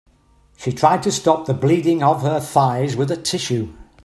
She tried to stop the bleeding of her thighs with a tissue.